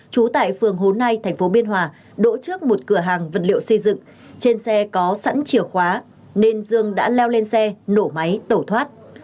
trú tại phường hồ nai tp biên hòa đỗ trước một cửa hàng vật liệu xây dựng trên xe có sẵn chìa khóa nên dương đã leo lên xe nổ máy tẩu thoát